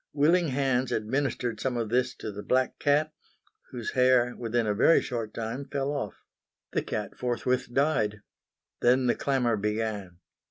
Willing hands administered some of this to the black cat, whose hair, within a very short time, fell off. The cat forthwith died. Then the clamour began.